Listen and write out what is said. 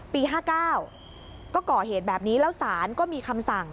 ปี๕๙ก็ก่อเหตุแบบนี้แล้วศาลก็มีคำสั่ง